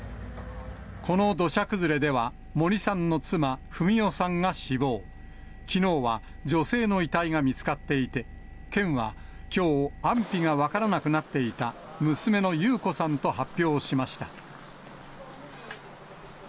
この土砂崩れでは、森さんの妻、文代さんが死亡、きのうは女性の遺体が見つかっていて、県はきょう、安否が分からなくなっていた娘の優子さんと発表しました。